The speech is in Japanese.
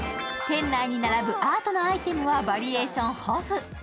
店内に並ぶアートなアイテムはバリエーション豊富。